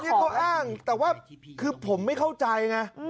นี่เขาอ้างแต่ว่าคือผมไม่เข้าใจไง